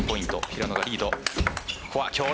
平野がリード。